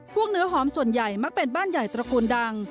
เนื้อหอมส่วนใหญ่มักเป็นบ้านใหญ่ตระกูลดัง